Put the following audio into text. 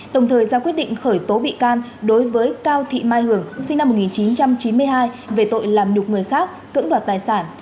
đồng thời ra quyết định khởi tố bị can đối với cao thị mai hưởng sinh năm một nghìn chín trăm chín mươi hai về tội làm nhục người khác cưỡng đoạt tài sản